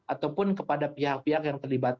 ataupun kepada pihak pihak yang terlibat